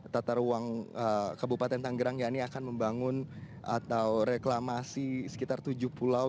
di tempat yang tanggerang yang ini akan membangun atau reklamasi sekitar tujuh pulau